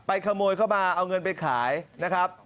ขโมยเข้ามาเอาเงินไปขายนะครับ